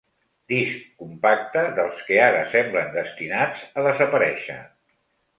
Disc compacte, dels que ara semblen destinats a desaparèixer.